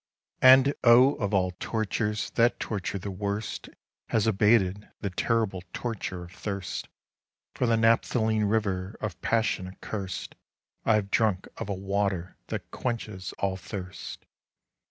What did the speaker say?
And O! of all torturesThat torture the worstHas abated—the terribleTorture of thirstFor the naphthaline riverOf Passion accurst:I have drunk of a waterThat quenches all thirst.